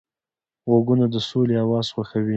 غوږونه د سولې اواز خوښوي